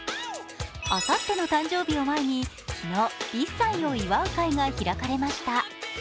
あさっての誕生日を前に昨日、１歳を祝う会が開かれました。